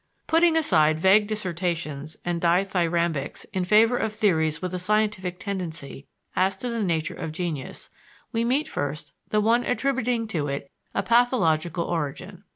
Putting aside vague dissertations and dithyrambics in favor of theories with a scientific tendency as to the nature of genius, we meet first the one attributing to it a pathological origin.